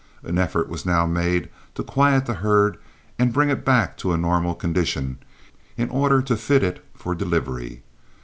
An effort was now made to quiet the herd and bring it back to a normal condition, in order to fit it for delivery.